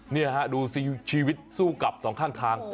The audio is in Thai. นี่ฮะดูสิชีวิตสู้กับสองข้างทาง